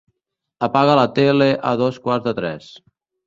Apaga la tele a dos quarts de tres.